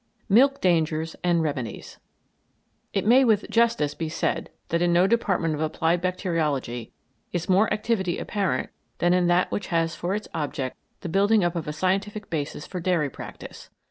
MILK DANGERS AND REMEDIES It may with justice be said that in no department of applied bacteriology is more activity apparent than in that which has for its object the building up of a scientific basis for dairy practice.